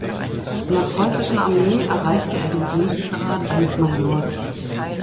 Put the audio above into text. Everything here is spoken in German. In der preußischen Armee erreichte er den Dienstgrad eines Majors.